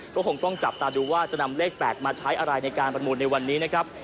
ก็คงต้องจับตาดูว่าจะนำเลข๘มาใช้อะไรในการประมูลในวันนี้นะครับ